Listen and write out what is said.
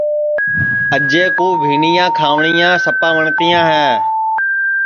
اجئے کُو بھینٚڈؔیاں کھاٹؔیاں سپا وٹؔتیاں ہے